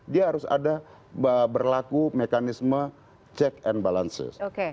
dia harus ada berlaku mekanisme check and balances